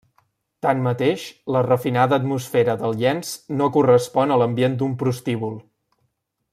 Tanmateix, la refinada atmosfera del llenç no correspon a l’ambient d'un prostíbul.